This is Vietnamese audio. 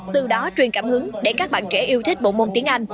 từ đó truyền cảm hứng để các bạn trẻ yêu thích bộ môn tiếng anh